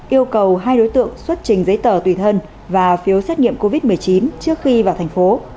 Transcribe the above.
yêu cầu hai đối tượng xuất trình giấy tờ tùy thân và phiếu xét nghiệm covid một mươi chín trước khi vào thành phố